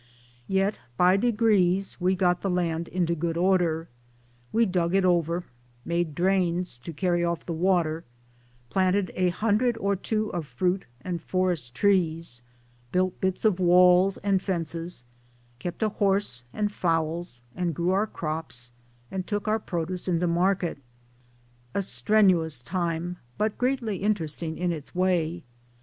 Yet by degrees we got the land into good order. We dug it over, made drains to carry off the water, planted a hundred or two of fruit and forest trees, built bits of walls and fences, kept a horse, and fowls, and grew our crops, and took our produce into market a strenuous time, but greatly interesting in its way.